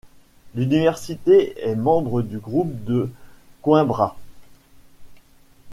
L'université est membre du Groupe de Coimbra.